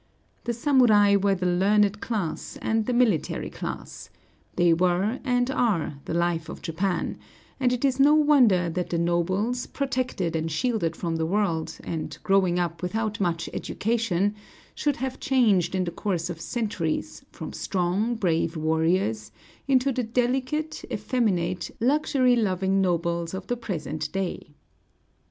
The samurai were the learned class and the military class; they were and are the life of Japan; and it is no wonder that the nobles, protected and shielded from the world, and growing up without much education, should have changed in the course of centuries from strong, brave warriors into the delicate, effeminate, luxury loving nobles of the present day.